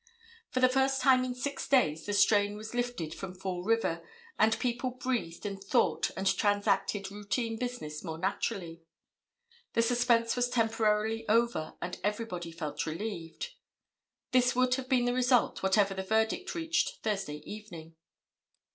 For the first time in six days the strain was lifted from Fall River and people breathed and thought and transacted routine business more naturally. The suspense was temporarily over and everybody felt relieved. This would have been the result whatever the verdict reached Thursday evening.